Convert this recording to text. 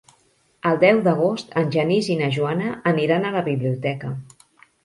El deu d'agost en Genís i na Joana aniran a la biblioteca.